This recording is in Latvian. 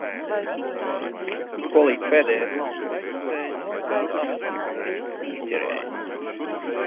Bet kolīdz pēdējais malks ir aiztecējis, tā zarnas atkal tinas un mežģerējas.